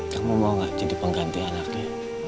kamu mau gak jadi pengganti anaknya